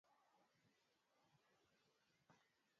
inatumiwa ili kuwafundishia wanafunzi kunako